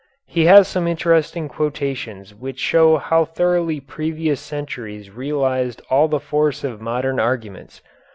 He has some interesting quotations which show how thoroughly previous centuries realized all the force of modern arguments.